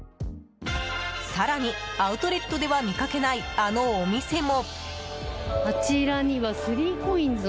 更にアウトレットでは見かけないあのお店も。